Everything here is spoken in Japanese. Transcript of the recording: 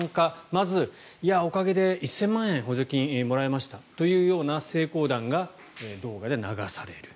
まずおかげで１０００万円補助金がもらえましたというような成功談が動画で流される。